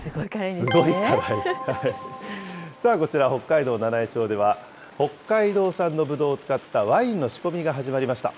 さあ、こちら、北海道七飯町では、北海道産のぶどうを使ったワインの仕込みが始まりました。